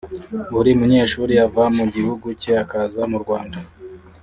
buri munyeshuri ava mu gihugu cye akaza mu Rwanda